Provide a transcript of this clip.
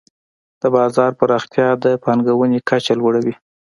د بازار پراختیا د پانګونې کچه لوړوي.